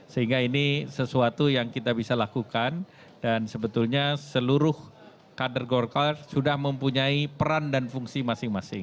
sehingga ini sesuatu yang kita bisa lakukan dan sebetulnya seluruh kader golkar sudah mempunyai peran dan fungsi masing masing